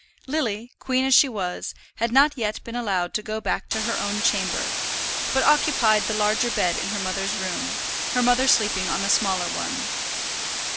Lily, queen as she was, had not yet been allowed to go back to her own chamber, but occupied the larger bed in her mother's room, her mother sleeping on a smaller one.